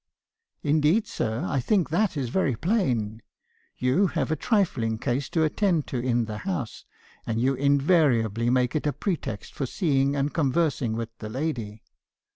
" 'Indeed, sir; I think that is very plain. You have a trifling case to attend to in the house, and you invariably make it a pretext for seeing and conversing with the lady.'